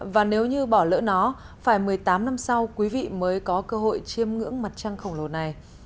và nếu như bỏ lỡ nó phải một mươi tám năm sau quý vị mới có cơ hội chiêm ngưỡng mặt trăng khổng lồ này